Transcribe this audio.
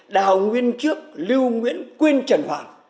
đào nguyên trước lưu nguyễn quên trần hoàn